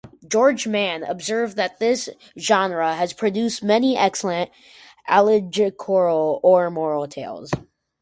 George Mann observed that this genre has produced "many excellent allegorical or moral tales".